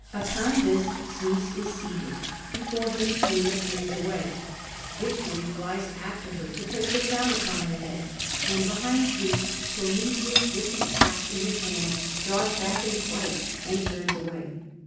Upon this Zeus is seated, before him Athena flees away, Victory flies after her to place a crown upon her head and behind Zeus Prometheus with the ax in his hand draws back in fright and turns away.